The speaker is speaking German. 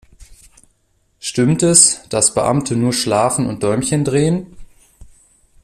Stimmt es, dass Beamte nur schlafen und Däumchen drehen?